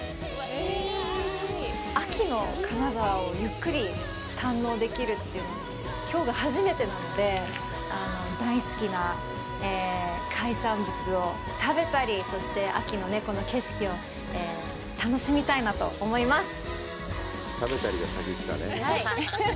秋の金沢をゆっくり堪能できるというのきょうが初めてなので大好きな海産物を食べたりそして、秋のこの景色を楽しみたいなと思います。